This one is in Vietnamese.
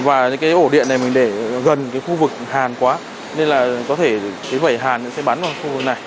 và cái ổ điện này mình để gần cái khu vực hàn quá nên là có thể cái vẩy hàn sẽ bắn vào khu vực này